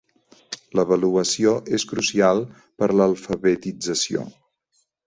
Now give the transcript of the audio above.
L'avaluació és crucial per a l'alfabetització.